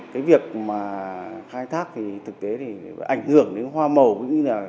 cái việc mà khai thác thì thực tế thì ảnh hưởng đến hoa màu cũng như là